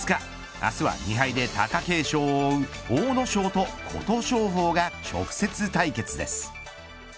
明日は２敗で貴景勝を追う阿武咲と琴勝峰が直接対決です。